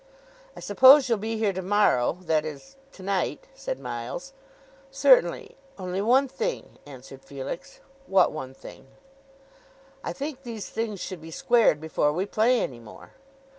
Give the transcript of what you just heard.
"I suppose you'll be here to morrow, that is to night," said Miles. "Certainly, only one thing," answered Felix. "What one thing?" "I think these things should be squared before we play any more!"